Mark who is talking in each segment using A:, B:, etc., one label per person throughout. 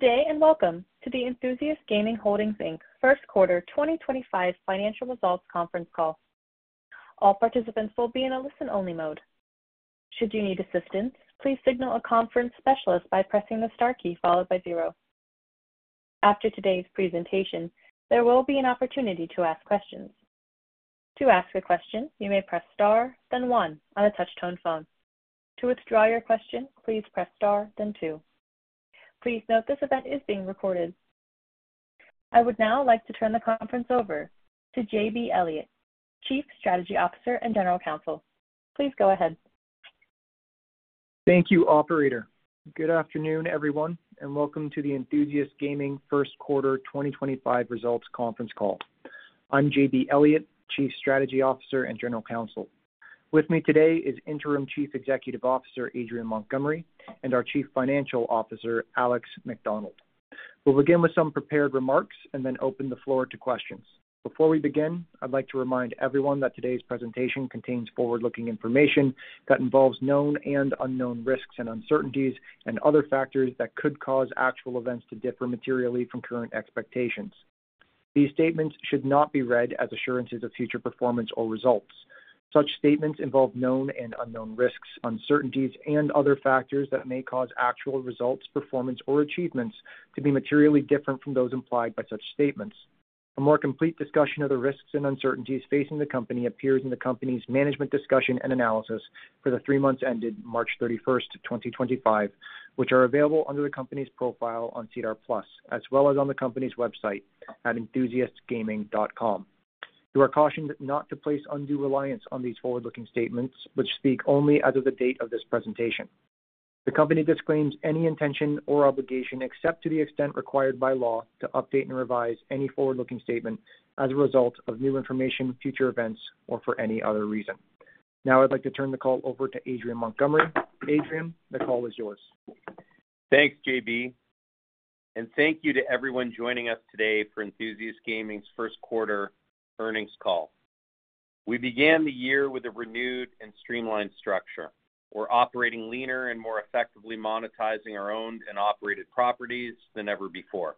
A: Today, and welcome to the Enthusiast Gaming Holdings First Quarter 2025 Financial Results Conference Call. All participants will be in a listen-only mode. Should you need assistance, please signal a conference specialist by pressing the star key followed by zero. After today's presentation, there will be an opportunity to ask questions. To ask a question, you may press star, then one, on a touch-tone phone. To withdraw your question, please press star, then two. Please note this event is being recorded. I would now like to turn the conference over to JB Elliott, Chief Strategy Officer and General Counsel. Please go ahead.
B: Thank you, Operator. Good afternoon, everyone, and welcome to the Enthusiast Gaming First Quarter 2025 Results Conference Call. I'm JB Elliott, Chief Strategy Officer and General Counsel. With me today is Interim Chief Executive Officer Adrian Montgomery and our Chief Financial Officer, Alex Macdonald. We'll begin with some prepared remarks and then open the floor to questions. Before we begin, I'd like to remind everyone that today's presentation contains forward-looking information that involves known and unknown risks and uncertainties and other factors that could cause actual events to differ materially from current expectations. These statements should not be read as assurances of future performance or results. Such statements involve known and unknown risks, uncertainties, and other factors that may cause actual results, performance, or achievements to be materially different from those implied by such statements. A more complete discussion of the risks and uncertainties facing the company appears in the company's management discussion and analysis for the three months ended March 31, 2025, which are available under the company's profile on SEDAR+ as well as on the company's website at enthusiastgaming.com. You are cautioned not to place undue reliance on these forward-looking statements, which speak only as of the date of this presentation. The company disclaims any intention or obligation except to the extent required by law to update and revise any forward-looking statement as a result of new information, future events, or for any other reason. Now, I'd like to turn the call over to Adrian Montgomery. Adrian, the call is yours.
C: Thanks, JB. Thank you to everyone joining us today for Enthusiast Gaming's first quarter earnings call. We began the year with a renewed and streamlined structure. We are operating leaner and more effectively monetizing our owned and operated properties than ever before.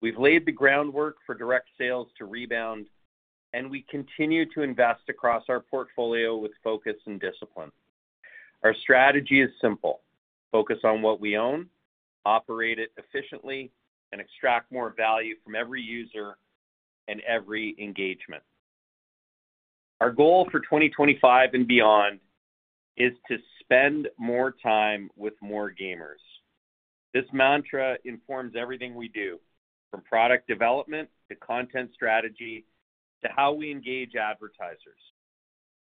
C: We have laid the groundwork for direct sales to rebound, and we continue to invest across our portfolio with focus and discipline. Our strategy is simple: focus on what we own, operate it efficiently, and extract more value from every user and every engagement. Our goal for 2025 and beyond is to spend more time with more gamers. This mantra informs everything we do, from product development to content strategy to how we engage advertisers.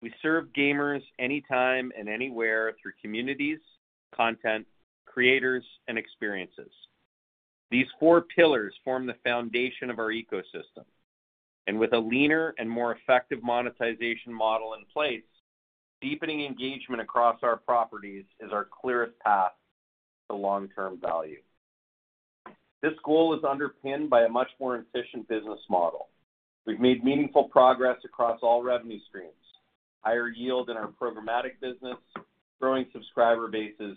C: We serve gamers anytime and anywhere through communities, content, creators, and experiences. These four pillars form the foundation of our ecosystem. With a leaner and more effective monetization model in place, deepening engagement across our properties is our clearest path to long-term value. This goal is underpinned by a much more efficient business model. We have made meaningful progress across all revenue streams: higher yield in our programmatic business, growing subscriber bases,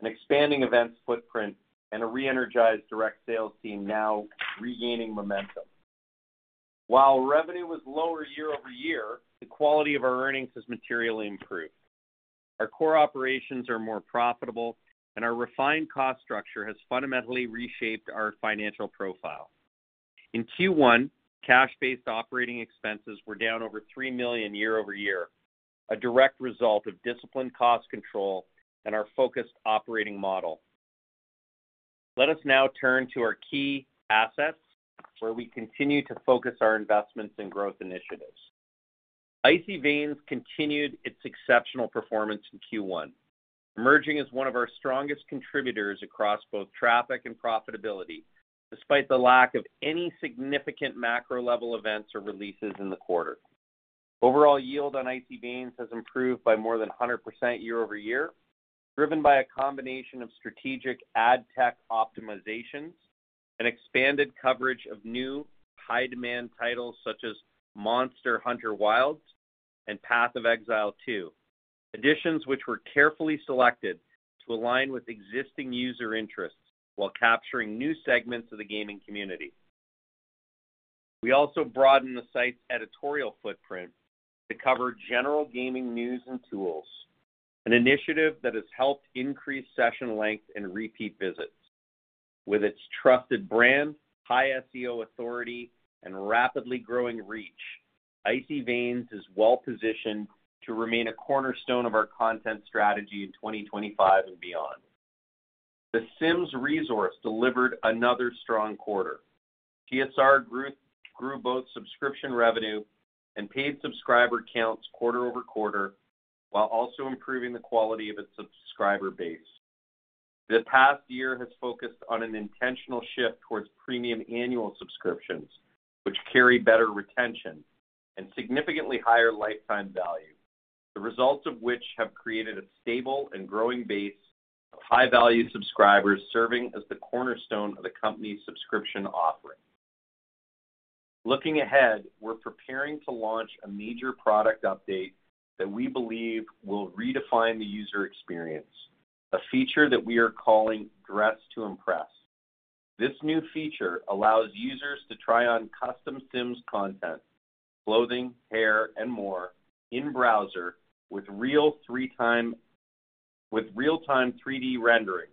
C: an expanding events footprint, and a re-energized direct sales team now regaining momentum. While revenue was lower year over year, the quality of our earnings has materially improved. Our core operations are more profitable, and our refined cost structure has fundamentally reshaped our financial profile. In Q1, cash-based operating expenses were down over 3 million year over year, a direct result of disciplined cost control and our focused operating model. Let us now turn to our key assets, where we continue to focus our investments and growth initiatives. Icy Veins continued its exceptional performance in Q1, emerging as one of our strongest contributors across both traffic and profitability, despite the lack of any significant macro-level events or releases in the quarter. Overall yield on Icy Veins has improved by more than 100% year over year, driven by a combination of strategic ad tech optimizations and expanded coverage of new high-demand titles such as Monster Hunter Wilds and Path of Exile 2, additions which were carefully selected to align with existing user interests while capturing new segments of the gaming community. We also broadened the site's editorial footprint to cover general gaming news and tools, an initiative that has helped increase session length and repeat visits. With its trusted brand, high SEO authority, and rapidly growing reach, Icy Veins is well-positioned to remain a cornerstone of our content strategy in 2025 and beyond. The Sims Resource delivered another strong quarter. TSR grew both subscription revenue and paid subscriber counts quarter over quarter while also improving the quality of its subscriber base. The past year has focused on an intentional shift towards premium annual subscriptions, which carry better retention and significantly higher lifetime value, the results of which have created a stable and growing base of high-value subscribers serving as the cornerstone of the company's subscription offering. Looking ahead, we're preparing to launch a major product update that we believe will redefine the user experience, a feature that we are calling Dress to Impress. This new feature allows users to try on custom Sims content, clothing, hair, and more in browser with real-time 3D rendering,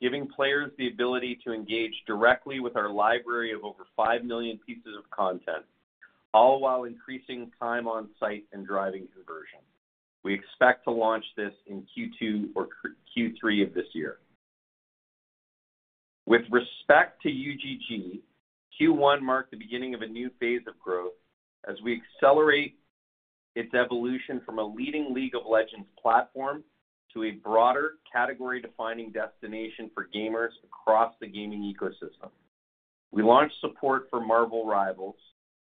C: giving players the ability to engage directly with our library of over 5 million pieces of content, all while increasing time on site and driving conversion. We expect to launch this in Q2 or Q3 of this year. With respect to U.GG, Q1 marked the beginning of a new phase of growth as we accelerate its evolution from a leading League of Legends platform to a broader category-defining destination for gamers across the gaming ecosystem. We launched support for Marvel Rivals,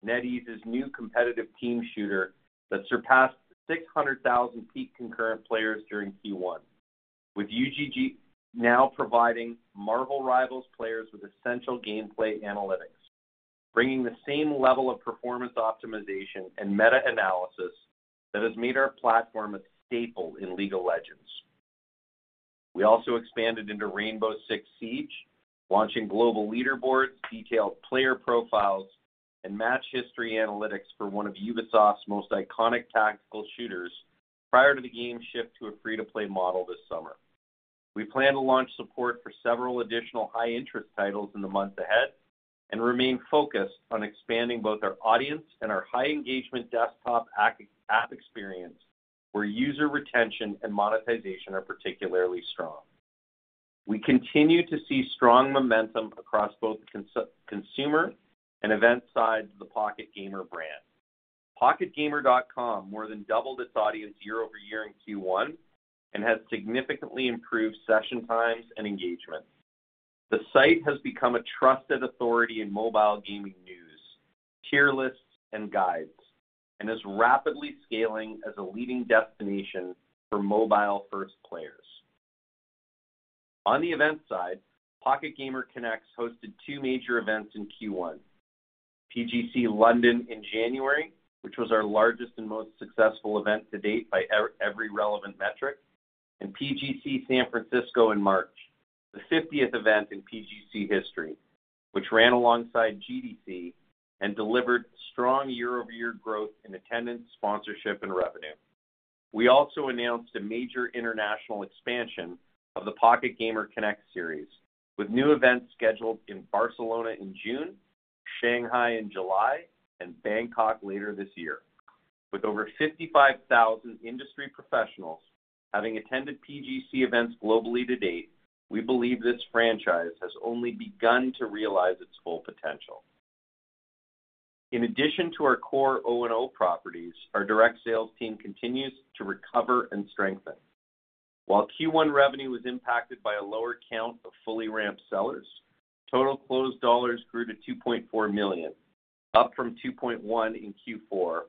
C: NetEase's new competitive team shooter that surpassed 600,000 peak concurrent players during Q1, with U.GG now providing Marvel Rivals players with essential gameplay analytics, bringing the same level of performance optimization and meta-analysis that has made our platform a staple in League of Legends. We also expanded into Rainbow Six Siege, launching global leaderboards, detailed player profiles, and match history analytics for one of Ubisoft's most iconic tactical shooters prior to the game shift to a free-to-play model this summer. We plan to launch support for several additional high-interest titles in the months ahead and remain focused on expanding both our audience and our high-engagement desktop app experience, where user retention and monetization are particularly strong. We continue to see strong momentum across both the consumer and event side of the Pocket Gamer brand. PocketGamer.com more than doubled its audience year over year in Q1 and has significantly improved session times and engagement. The site has become a trusted authority in mobile gaming news, tier lists, and guides, and is rapidly scaling as a leading destination for mobile-first players. On the event side, Pocket Gamer Connects hosted two major events in Q1: PGC London in January, which was our largest and most successful event to date by every relevant metric, and PGC San Francisco in March, the 50th event in PGC history, which ran alongside GDC and delivered strong year-over-year growth in attendance, sponsorship, and revenue. We also announced a major international expansion of the Pocket Gamer Connects series, with new events scheduled in Barcelona in June, Shanghai in July, and Bangkok later this year. With over 55,000 industry professionals having attended PGC events globally to date, we believe this franchise has only begun to realize its full potential. In addition to our core O&O properties, our direct sales team continues to recover and strengthen. While Q1 revenue was impacted by a lower count of fully ramped sellers, total closed dollars grew to $2.4 million, up from $2.1 million in Q4,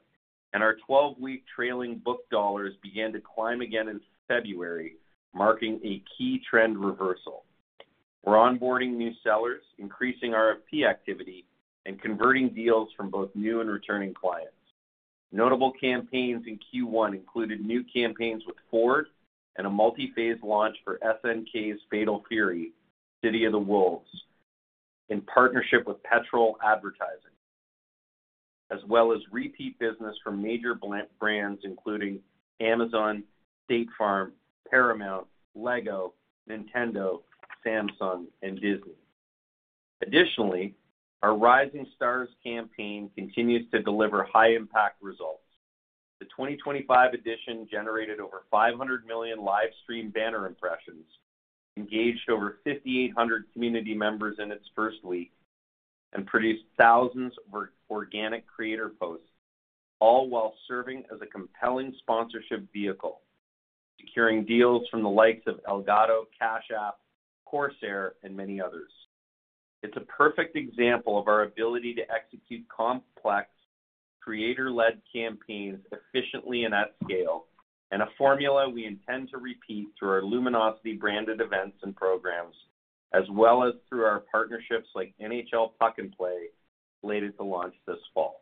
C: and our 12-week trailing book dollars began to climb again in February, marking a key trend reversal. We're onboarding new sellers, increasing our fee activity, and converting deals from both new and returning clients. Notable campaigns in Q1 included new campaigns with Ford and a multi-phase launch for SNK's Fatal Fury: City of the Wolves, in partnership with Petrel Advertising, as well as repeat business from major brands including Amazon, State Farm, Paramount, Lego, Nintendo, Samsung, and Disney. Additionally, our Rising Stars campaign continues to deliver high-impact results. The 2025 edition generated over 500 million livestream banner impressions, engaged over 5,800 community members in its first week, and produced thousands of organic creator posts, all while serving as a compelling sponsorship vehicle, securing deals from the likes of Elgato, Cash App, Corsair, and many others. It is a perfect example of our ability to execute complex creator-led campaigns efficiently and at scale, and a formula we intend to repeat through our Luminosity-branded events and programs, as well as through our partnerships like NHL Puck and Play later to launch this fall.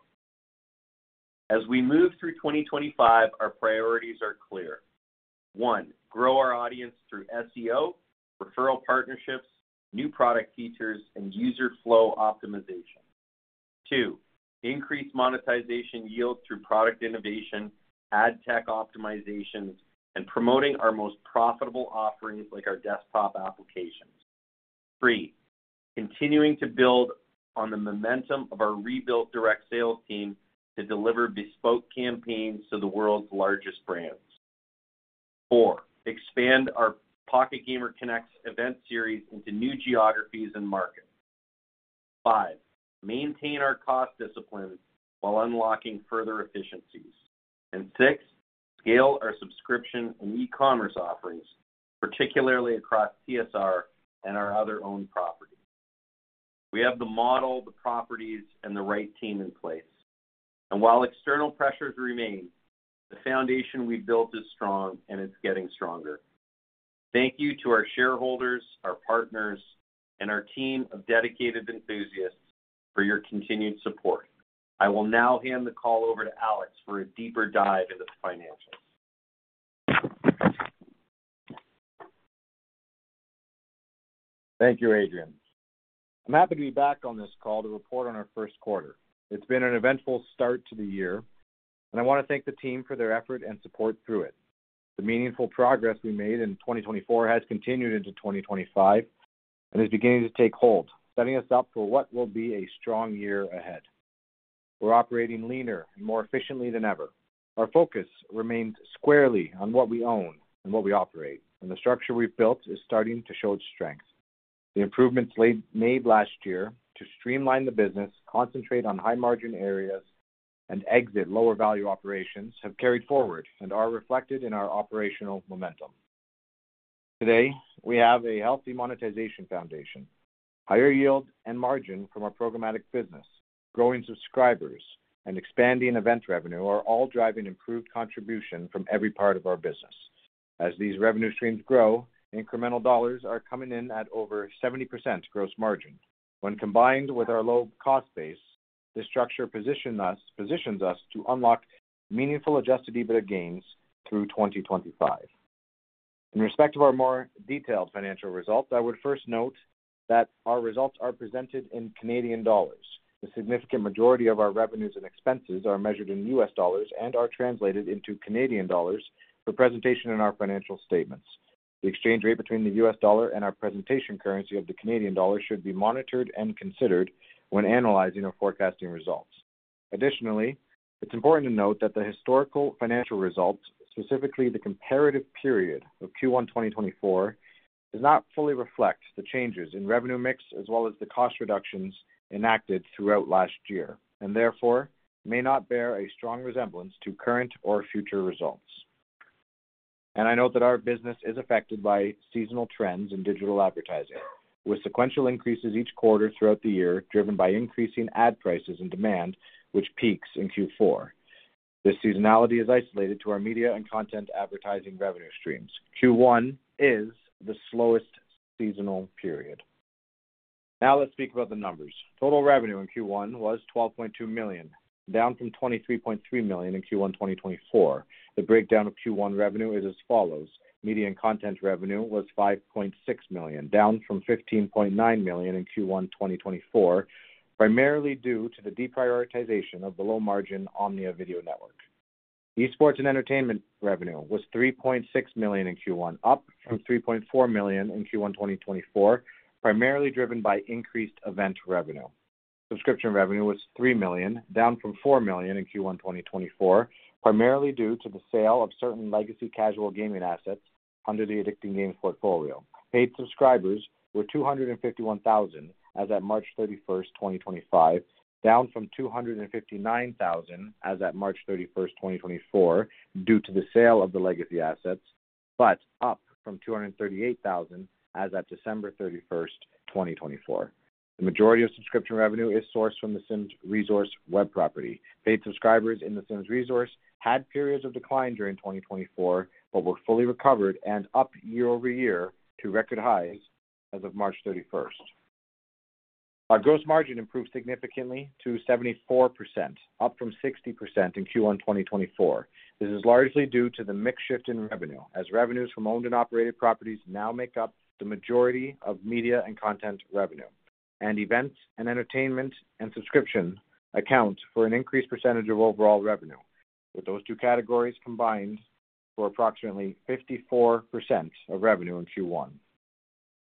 C: As we move through 2025, our priorities are clear. One, grow our audience through SEO, referral partnerships, new product features, and user flow optimization. Two, increase monetization yield through product innovation, ad tech optimizations, and promoting our most profitable offerings like our desktop applications. Three, continuing to build on the momentum of our rebuilt direct sales team to deliver bespoke campaigns to the world's largest brands. Four, expand our Pocket Gamer Connects event series into new geographies and markets. Five, maintain our cost discipline while unlocking further efficiencies. Six, scale our subscription and e-commerce offerings, particularly across TSR and our other owned properties. We have the model, the properties, and the right team in place. While external pressures remain, the foundation we built is strong and it's getting stronger. Thank you to our shareholders, our partners, and our team of dedicated enthusiasts for your continued support. I will now hand the call over to Alex for a deeper dive into the financials.
D: Thank you, Adrian. I'm happy to be back on this call to report on our first quarter. It's been an eventful start to the year, and I want to thank the team for their effort and support through it. The meaningful progress we made in 2024 has continued into 2025 and is beginning to take hold, setting us up for what will be a strong year ahead. We're operating leaner and more efficiently than ever. Our focus remains squarely on what we own and what we operate, and the structure we've built is starting to show its strength. The improvements made last year to streamline the business, concentrate on high-margin areas, and exit lower-value operations have carried forward and are reflected in our operational momentum. Today, we have a healthy monetization foundation. Higher yield and margin from our programmatic business, growing subscribers, and expanding event revenue are all driving improved contribution from every part of our business. As these revenue streams grow, incremental dollars are coming in at over 70% gross margin. When combined with our low cost base, this structure positions us to unlock meaningful adjusted EBITDA gains through 2025. In respect of our more detailed financial results, I would first note that our results are presented in CAD. The significant majority of our revenues and expenses are measured in US dollars and are translated into CAD for presentation in our financial statements. The exchange rate between the US dollar and our presentation currency of the Canadian dollar should be monitored and considered when analyzing or forecasting results. Additionally, it's important to note that the historical financial results, specifically the comparative period of Q1 2024, do not fully reflect the changes in revenue mix as well as the cost reductions enacted throughout last year and therefore may not bear a strong resemblance to current or future results. I note that our business is affected by seasonal trends in digital advertising, with sequential increases each quarter throughout the year driven by increasing ad prices and demand, which peaks in Q4. This seasonality is isolated to our media and content advertising revenue streams. Q1 is the slowest seasonal period. Now let's speak about the numbers. Total revenue in Q1 was 12.2 million, down from 23.3 million in Q1 2024. The breakdown of Q1 revenue is as follows. Media and content revenue was 5.6 million, down from 15.9 million in Q1 2024, primarily due to the deprioritization of the low-margin Omnia Video Network. Esports and entertainment revenue was 3.6 million in Q1, up from 3.4 million in Q1 2024, primarily driven by increased event revenue. Subscription revenue was 3 million, down from 4 million in Q1 2024, primarily due to the sale of certain legacy casual gaming assets under the Addicting Games portfolio. Paid subscribers were 251,000 as at March 31, 2025, down from 259,000 as at March 31, 2024, due to the sale of the legacy assets, but up from 238,000 as at December 31, 2024. The majority of subscription revenue is sourced from The Sims Resource web property. Paid subscribers in The Sims Resource had periods of decline during 2024 but were fully recovered and up year over year to record highs as of March 31. Our gross margin improved significantly to 74%, up from 60% in Q1 2024. This is largely due to the mix shift in revenue, as revenues from owned and operated properties now make up the majority of media and content revenue, and events and entertainment and subscription account for an increased percentage of overall revenue, with those two categories combined for approximately 54% of revenue in Q1.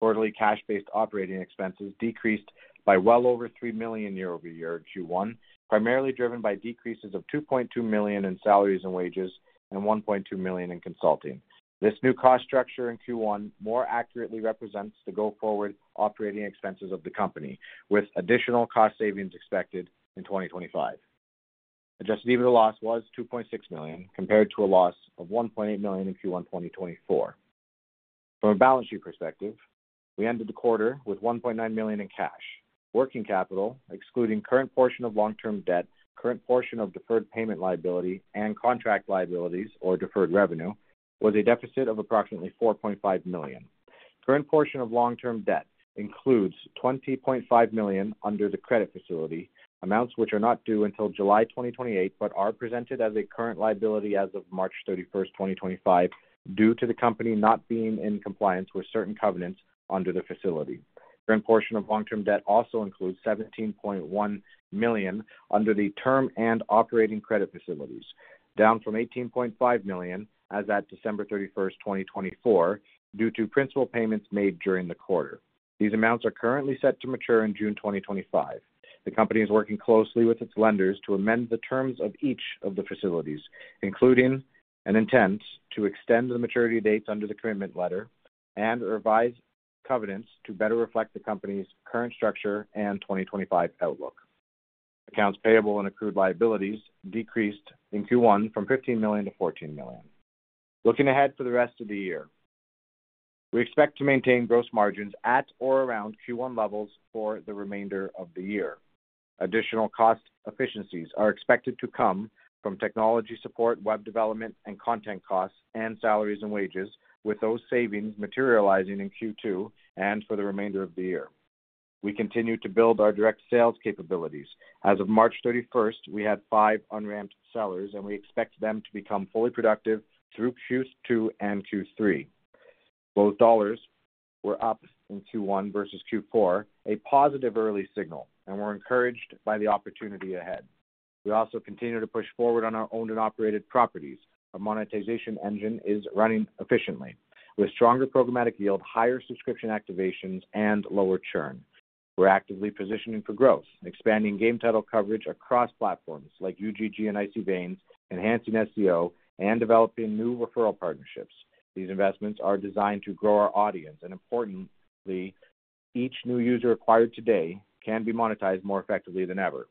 D: Quarterly, cash-based operating expenses decreased by well over $3 million year over year in Q1, primarily driven by decreases of $2.2 million in salaries and wages and $1.2 million in consulting. This new cost structure in Q1 more accurately represents the go forward operating expenses of the company, with additional cost savings expected in 2025. Adjusted EBITDA loss was $2.6 million compared to a loss of $1.8 million in Q1 2024. From a balance sheet perspective, we ended the quarter with 1.9 million in cash. Working capital, excluding current portion of long-term debt, current portion of deferred payment liability, and contract liabilities or deferred revenue, was a deficit of approximately 4.5 million. Current portion of long-term debt includes 20.5 million under the credit facility, amounts which are not due until July 2028 but are presented as a current liability as of March 31, 2025, due to the company not being in compliance with certain covenants under the facility. Current portion of long-term debt also includes 17.1 million under the term and operating credit facilities, down from 18.5 million as at December 31, 2024, due to principal payments made during the quarter. These amounts are currently set to mature in June 2025. The company is working closely with its lenders to amend the terms of each of the facilities, including an intent to extend the maturity dates under the commitment letter and revise covenants to better reflect the company's current structure and 2025 outlook. Accounts payable and accrued liabilities decreased in Q1 from $15 million to $14 million. Looking ahead for the rest of the year, we expect to maintain gross margins at or around Q1 levels for the remainder of the year. Additional cost efficiencies are expected to come from technology support, web development, and content costs, and salaries and wages, with those savings materializing in Q2 and for the remainder of the year. We continue to build our direct sales capabilities. As of March 31, we had five unramped sellers, and we expect them to become fully productive through Q2 and Q3. Both dollars were up in Q1 versus Q4, a positive early signal, and we're encouraged by the opportunity ahead. We also continue to push forward on our owned and operated properties. Our monetization engine is running efficiently, with stronger programmatic yield, higher subscription activations, and lower churn. We're actively positioning for growth, expanding game title coverage across platforms like U.GG and Icy Veins, enhancing SEO, and developing new referral partnerships. These investments are designed to grow our audience, and importantly, each new user acquired today can be monetized more effectively than ever.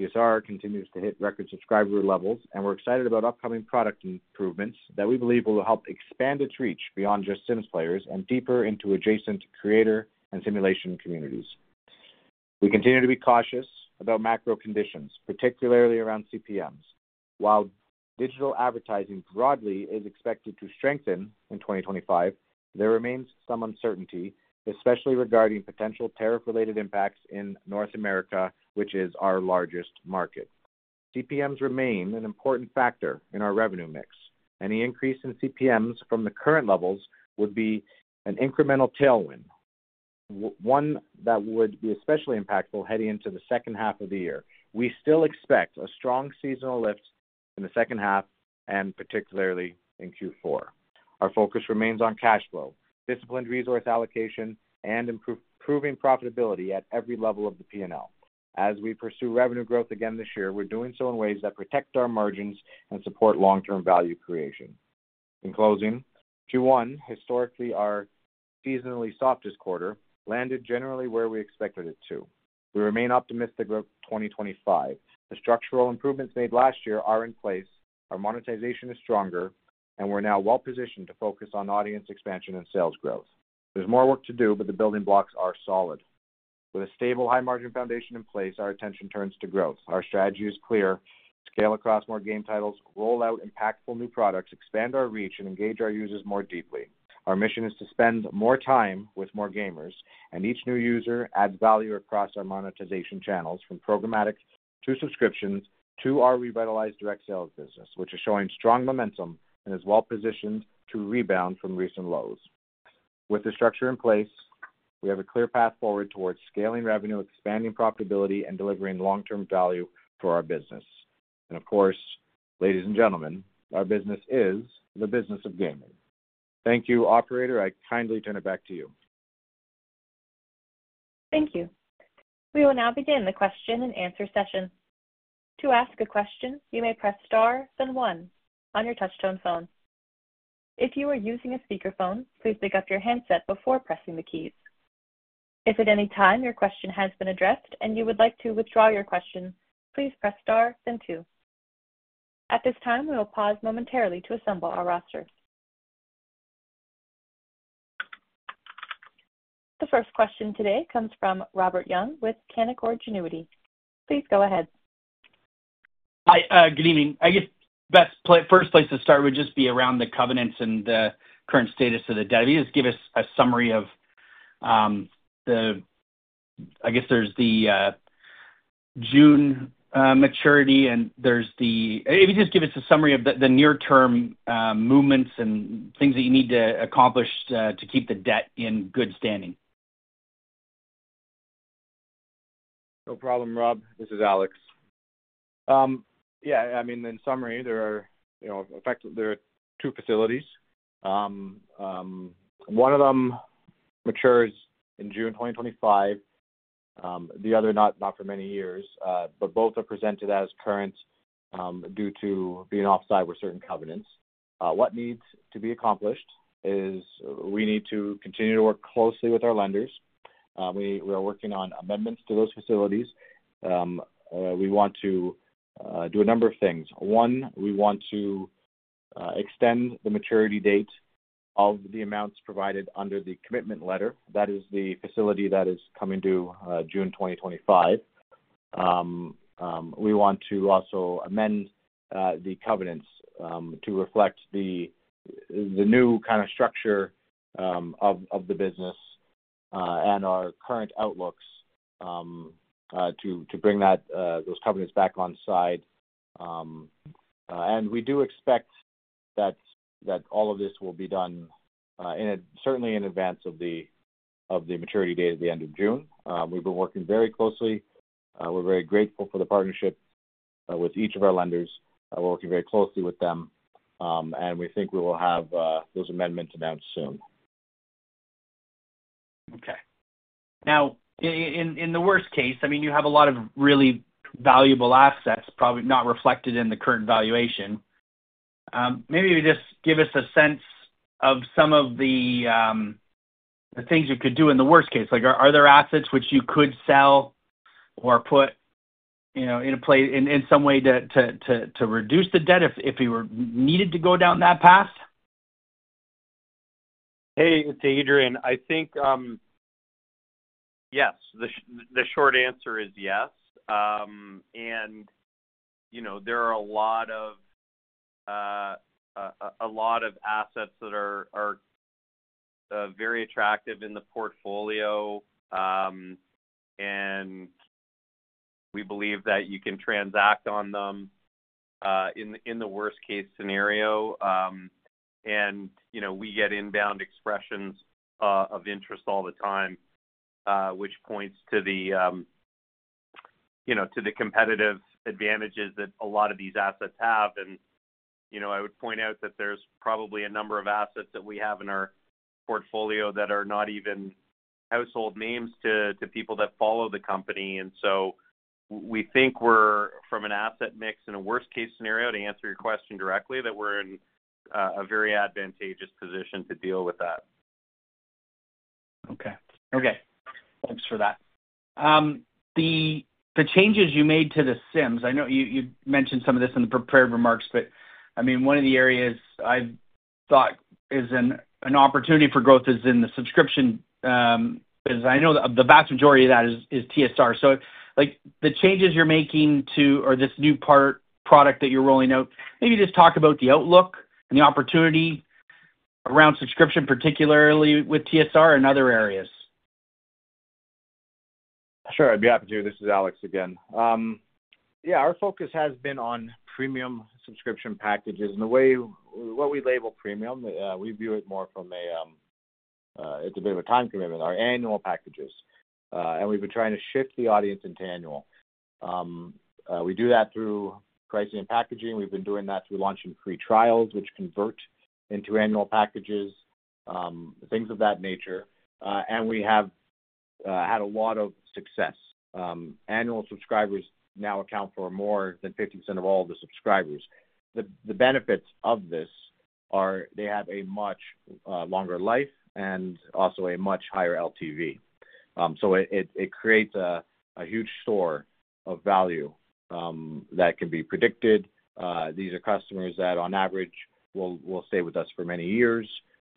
D: TSR continues to hit record subscriber levels, and we're excited about upcoming product improvements that we believe will help expand its reach beyond just Sims players and deeper into adjacent creator and simulation communities. We continue to be cautious about macro conditions, particularly around CPMs. While digital advertising broadly is expected to strengthen in 2025, there remains some uncertainty, especially regarding potential tariff-related impacts in North America, which is our largest market. CPMs remain an important factor in our revenue mix. Any increase in CPMs from the current levels would be an incremental tailwind, one that would be especially impactful heading into the second half of the year. We still expect a strong seasonal lift in the second half, and particularly in Q4. Our focus remains on cash flow, disciplined resource allocation, and improving profitability at every level of the P&L. As we pursue revenue growth again this year, we're doing so in ways that protect our margins and support long-term value creation. In closing, Q1, historically our seasonally softest quarter, landed generally where we expected it to. We remain optimistic about 2025. The structural improvements made last year are in place. Our monetization is stronger, and we're now well-positioned to focus on audience expansion and sales growth. There's more work to do, but the building blocks are solid. With a stable high-margin foundation in place, our attention turns to growth. Our strategy is clear: scale across more game titles, roll out impactful new products, expand our reach, and engage our users more deeply. Our mission is to spend more time with more gamers, and each new user adds value across our monetization channels, from programmatic to subscriptions to our revitalized direct sales business, which is showing strong momentum and is well-positioned to rebound from recent lows. With the structure in place, we have a clear path forward towards scaling revenue, expanding profitability, and delivering long-term value for our business. Of course, ladies and gentlemen, our business is the business of gaming. Thank you, Operator. I kindly turn it back to you.
A: Thank you. We will now begin the question and answer session. To ask a question, you may press star then one on your touch-tone phone. If you are using a speakerphone, please pick up your handset before pressing the keys. If at any time your question has been addressed and you would like to withdraw your question, please press star then two. At this time, we will pause momentarily to assemble our roster. The first question today comes from Robert Young with Canaccord Genuity. Please go ahead.
E: Hi, good evening. I guess best first place to start would just be around the covenants and the current status of the debt. Just give us a summary of the, I guess there's the June maturity and there's the, if you just give us a summary of the near-term movements and things that you need to accomplish to keep the debt in good standing.
D: No problem, Rob. This is Alex. Yeah, I mean, in summary, there are two facilities. One of them matures in June 2025. The other not for many years, but both are presented as current due to being off-site with certain covenants. What needs to be accomplished is we need to continue to work closely with our lenders. We are working on amendments to those facilities. We want to do a number of things. One, we want to extend the maturity date of the amounts provided under the commitment letter. That is the facility that is coming due June 2025. We want to also amend the covenants to reflect the new kind of structure of the business and our current outlooks to bring those covenants back on side. We do expect that all of this will be done certainly in advance of the maturity date at the end of June. We've been working very closely. We're very grateful for the partnership with each of our lenders. We're working very closely with them, and we think we will have those amendments announced soon.
E: Okay. Now, in the worst case, I mean, you have a lot of really valuable assets probably not reflected in the current valuation. Maybe you just give us a sense of some of the things you could do in the worst case. Are there assets which you could sell or put in a place in some way to reduce the debt if you were needed to go down that path?
C: Hey, it's Adrian. I think, yes, the short answer is yes. There are a lot of assets that are very attractive in the portfolio, and we believe that you can transact on them in the worst-case scenario. We get inbound expressions of interest all the time, which points to the competitive advantages that a lot of these assets have. I would point out that there's probably a number of assets that we have in our portfolio that are not even household names to people that follow the company. We think we're, from an asset mix in a worst-case scenario, to answer your question directly, that we're in a very advantageous position to deal with that.
E: Okay. Okay. Thanks for that. The changes you made to The Sims, I know you mentioned some of this in the prepared remarks, but I mean, one of the areas I thought is an opportunity for growth is in the subscription, because I know the vast majority of that is TSR. The changes you're making to or this new product that you're rolling out, maybe just talk about the outlook and the opportunity around subscription, particularly with TSR and other areas.
D: Sure. I'd be happy to. This is Alex again. Yeah, our focus has been on premium subscription packages. The way what we label premium, we view it more from a it's a bit of a time commitment, our annual packages. We've been trying to shift the audience into annual. We do that through pricing and packaging. We've been doing that through launching free trials, which convert into annual packages, things of that nature. We have had a lot of success. Annual subscribers now account for more than 50% of all the subscribers. The benefits of this are they have a much longer life and also a much higher LTV. It creates a huge store of value that can be predicted. These are customers that, on average, will stay with us for many years,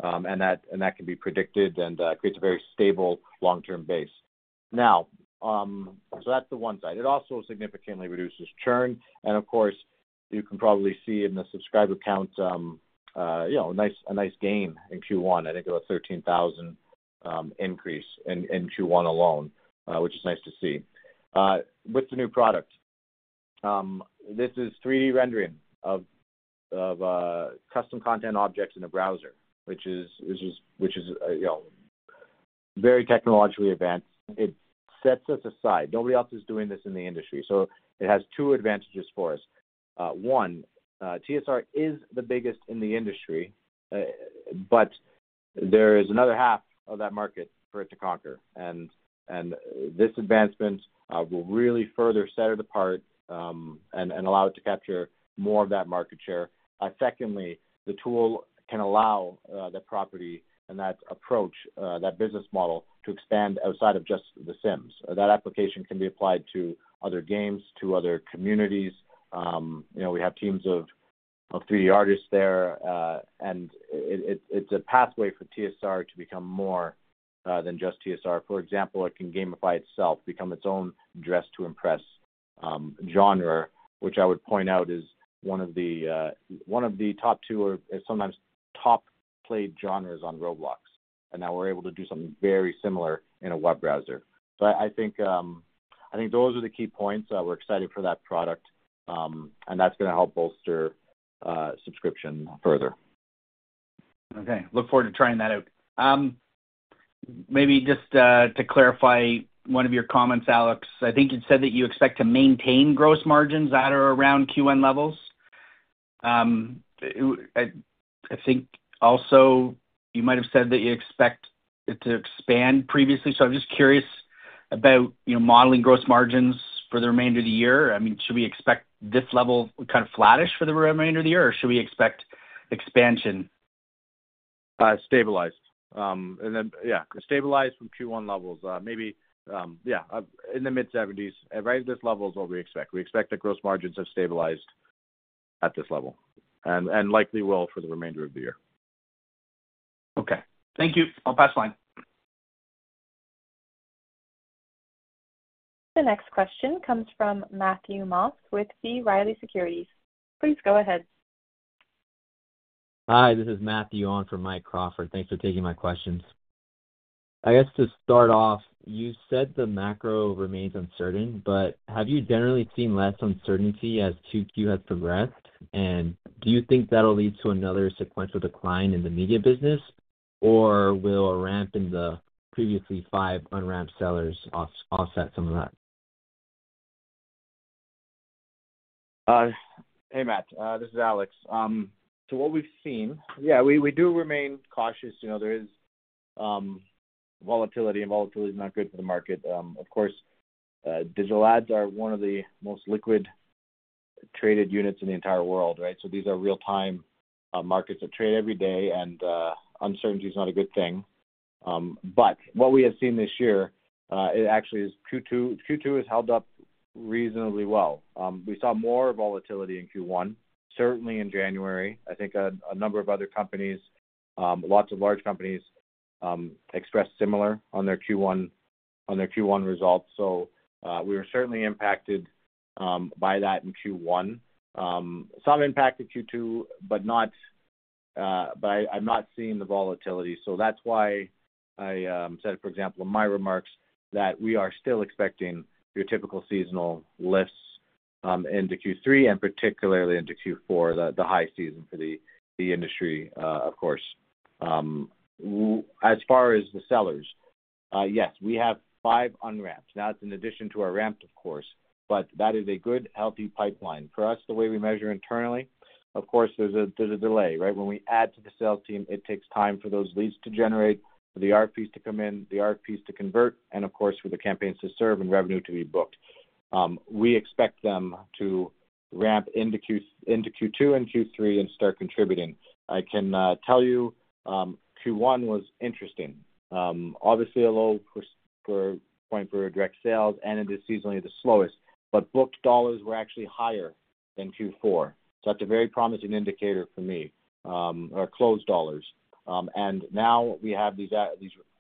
D: and that can be predicted and creates a very stable long-term base. Now, so that's the one side. It also significantly reduces churn. Of course, you can probably see in the subscriber count a nice gain in Q1. I think it was a 13,000 increase in Q1 alone, which is nice to see. With the new product, this is 3D rendering of custom content objects in a browser, which is very technologically advanced. It sets us aside. Nobody else is doing this in the industry. It has two advantages for us. One, TSR is the biggest in the industry, but there is another half of that market for it to conquer. This advancement will really further set it apart and allow it to capture more of that market share. Secondly, the tool can allow the property and that approach, that business model, to expand outside of just the Sims. That application can be applied to other games, to other communities. We have teams of 3D artists there, and it's a pathway for TSR to become more than just TSR. For example, it can gamify itself, become its own dress-to-impress genre, which I would point out is one of the top two or sometimes top played genres on Roblox. Now we're able to do something very similar in a web browser. I think those are the key points. We're excited for that product, and that's going to help bolster subscription further.
E: Okay. Look forward to trying that out. Maybe just to clarify one of your comments, Alex, I think you said that you expect to maintain gross margins at or around Q1 levels. I think also you might have said that you expect it to expand previously. I am just curious about modeling gross margins for the remainder of the year. I mean, should we expect this level kind of flattish for the remainder of the year, or should we expect expansion?
D: Stabilized. Yeah, stabilized from Q1 levels. Maybe, yeah, in the mid-70s. Right at this level is what we expect. We expect that gross margins have stabilized at this level and likely will for the remainder of the year.
E: Okay. Thank you. I'll pass the line.
A: The next question comes from Matthew Moss with B. Riley Securities. Please go ahead.
F: Hi, this is Matthew on for Mike Crawford. Thanks for taking my questions. I guess to start off, you said the macro remains uncertain, but have you generally seen less uncertainty as Q2 has progressed? Do you think that'll lead to another sequential decline in the media business, or will a ramp in the previously five unramped sellers offset some of that?
D: Hey, Matt. This is Alex. So what we've seen, yeah, we do remain cautious. There is volatility, and volatility is not good for the market. Of course, digital ads are one of the most liquid traded units in the entire world, right? These are real-time markets that trade every day, and uncertainty is not a good thing. What we have seen this year, it actually is Q2 has held up reasonably well. We saw more volatility in Q1, certainly in January. I think a number of other companies, lots of large companies, expressed similar on their Q1 results. We were certainly impacted by that in Q1. Some impacted Q2, but I'm not seeing the volatility. That's why I said, for example, in my remarks that we are still expecting your typical seasonal lifts into Q3 and particularly into Q4, the high season for the industry, of course. As far as the sellers, yes, we have five unramped. Now, it's in addition to our ramped, of course, but that is a good, healthy pipeline. For us, the way we measure internally, of course, there's a delay, right? When we add to the sales team, it takes time for those leads to generate, for the RFPs to come in, the RFPs to convert, and, of course, for the campaigns to serve and revenue to be booked. We expect them to ramp into Q2 and Q3 and start contributing. I can tell you Q1 was interesting. Obviously, a low point for direct sales, and it is seasonally the slowest, but booked dollars were actually higher than Q4. That is a very promising indicator for me, our closed dollars. Now we have these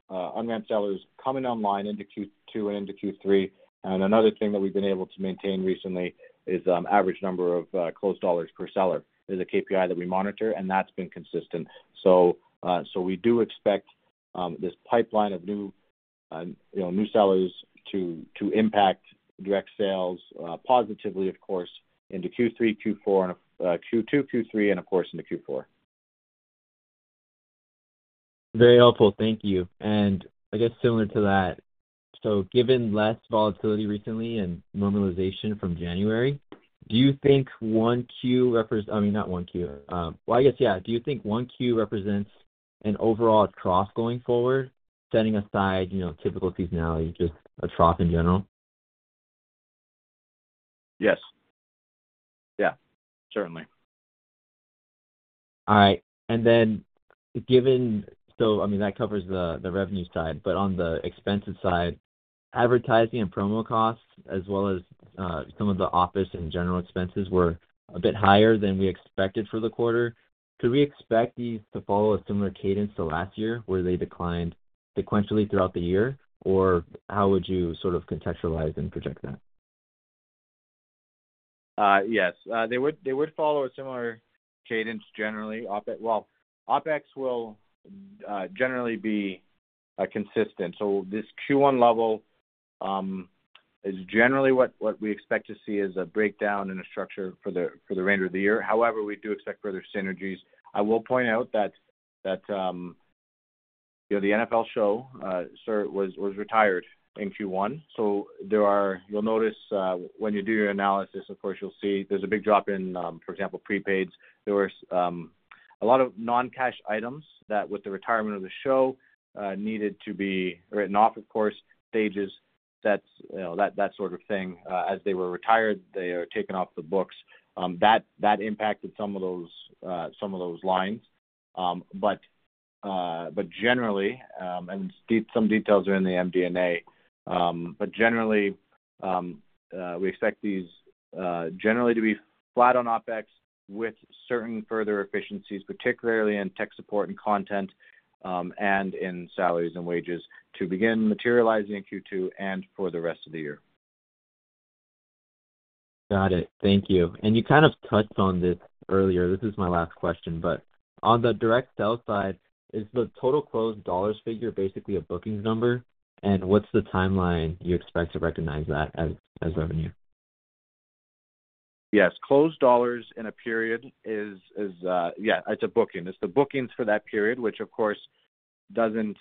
D: unramped sellers coming online into Q2 and into Q3. Another thing that we have been able to maintain recently is average number of closed dollars per seller is a KPI that we monitor, and that has been consistent. We do expect this pipeline of new sellers to impact direct sales positively, of course, into Q3, Q4, and Q2, Q3, and of course, into Q4.
F: Very helpful. Thank you. I guess similar to that, given less volatility recently and normalization from January, do you think one Q represents, I mean, not one Q, do you think one Q represents an overall trough going forward, setting aside typical seasonality, just a trough in general?
D: Yes. Yeah, certainly.
F: All right. And then given so, I mean, that covers the revenue side, but on the expensive side, advertising and promo costs, as well as some of the office and general expenses, were a bit higher than we expected for the quarter. Could we expect these to follow a similar cadence to last year where they declined sequentially throughout the year, or how would you sort of contextualize and project that?
D: Yes. They would follow a similar cadence generally. OPEX will generally be consistent. This Q1 level is generally what we expect to see as a breakdown in the structure for the remainder of the year. However, we do expect further synergies. I will point out that the NFL show was retired in Q1. You'll notice when you do your analysis, of course, you'll see there's a big drop in, for example, prepaids. There were a lot of non-cash items that, with the retirement of the show, needed to be written off, of course. Stages, that sort of thing. As they were retired, they are taken off the books. That impacted some of those lines. Generally, and some details are in the MD&A, but generally, we expect these generally to be flat on OpEx with certain further efficiencies, particularly in tech support and content and in salaries and wages to begin materializing in Q2 and for the rest of the year.
F: Got it. Thank you. You kind of touched on this earlier. This is my last question, but on the direct sell side, is the total closed dollars figure basically a bookings number? What is the timeline you expect to recognize that as revenue?
D: Yes. Closed dollars in a period is, yeah, it's a booking. It's the bookings for that period, which, of course, doesn't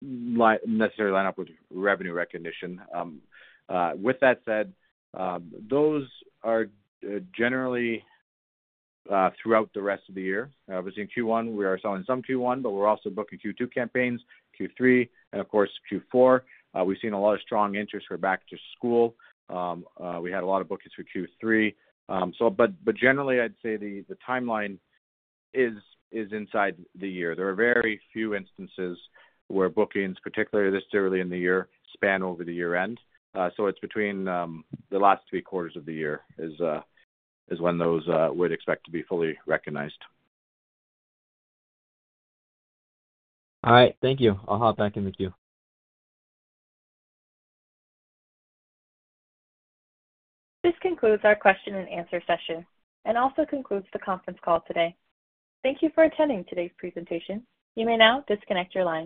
D: necessarily line up with revenue recognition. With that said, those are generally throughout the rest of the year. I was in Q1. We are selling some Q1, but we're also booking Q2 campaigns, Q3, and, of course, Q4. We've seen a lot of strong interest for back to school. We had a lot of bookings for Q3. Generally, I'd say the timeline is inside the year. There are very few instances where bookings, particularly this early in the year, span over the year end. It's between the last three quarters of the year is when those would expect to be fully recognized.
F: All right. Thank you. I'll hop back in the queue.
A: This concludes our question and answer session and also concludes the conference call today. Thank you for attending today's presentation. You may now disconnect your line.